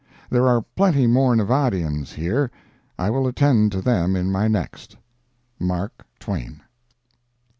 There are plenty more Nevadians here. I will attend to them in my next. MARK TWAIN.